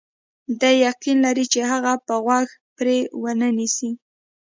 دی یقین لري چې هغه به غوږ پرې ونه نیسي.